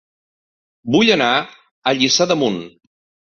Vull anar a Lliçà d'Amunt